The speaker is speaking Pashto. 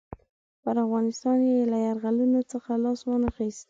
پر افغانستان یې له یرغلونو څخه لاس وانه خیست.